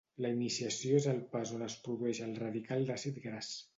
La iniciació és el pas on es produeix el radical d'àcid gras.